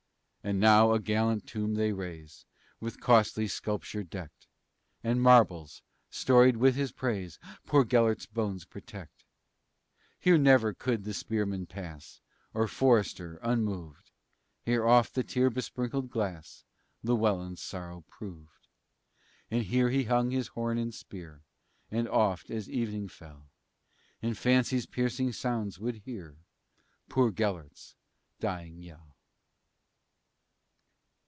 And now a gallant tomb they raise, With costly sculpture decked, And marbles, storied with his praise, Poor Gelert's bones protect. Here never could the spearman pass, Or forester, unmoved! Here oft the tear besprinkled grass Llewellyn's sorrow proved. And here he hung his horn and spear, And oft, as evening fell, In fancy's piercing sounds would hear Poor Gelert's dying yell.